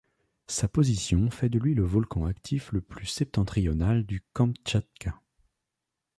Sa position fait de lui le volcan actif le plus septentrional du Kamtchatka.